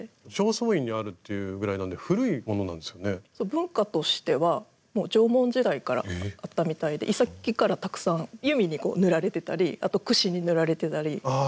文化としてはもう縄文時代からあったみたいで遺跡からたくさん弓に塗られてたりあと櫛に塗られてたり。